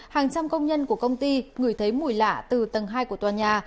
hàng trăm công nhân của công ty ngửi thấy mùi lạ từ tầng hai của tòa nhà